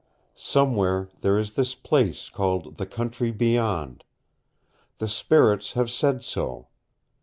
Somewhere there is this place called the Country Beyond. The spirits have said so.